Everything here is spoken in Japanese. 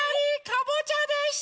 かぼちゃでした！